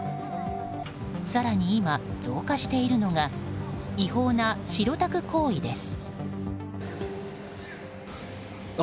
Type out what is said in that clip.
更に今、増加しているのが違法な白タク行為です。